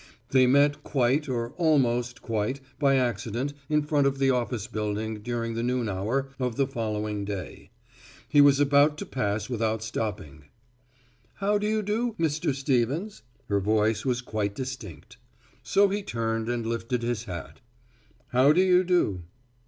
They met quite or almost quite by accident in front of the office building during the noon hour of the following day. He was about to pass without stopping. "How do you do, Mr. Stevens?" Her voice was quite distinct. So he turned and lifted his hat. "How do you do!"